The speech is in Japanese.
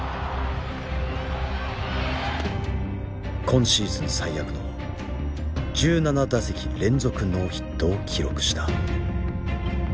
今シーズン最悪の１７打席連続ノーヒットを記録した。